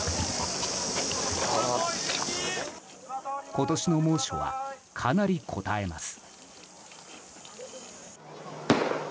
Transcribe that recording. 今年の猛暑はかなりこたえます。